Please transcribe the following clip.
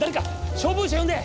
消防車呼んで！